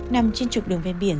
nằm trên trục đường ven biển